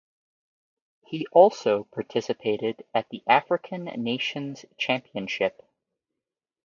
He also participated at the African Nations Championship.